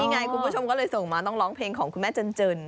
ไงคุณผู้ชมก็เลยส่งมาต้องร้องเพลงของคุณแม่เจิน